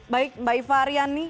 baik mbak ifah ariyani